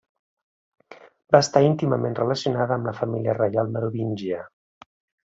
Va estar íntimament relacionada amb la família reial Merovíngia.